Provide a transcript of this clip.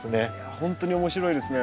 ほんとに面白いですね。